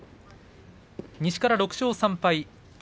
西から６勝３敗、霧